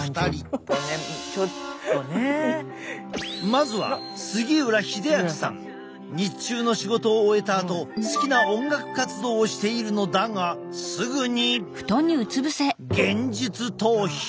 まずは日中の仕事を終えたあと好きな音楽活動をしているのだがすぐに現実逃避。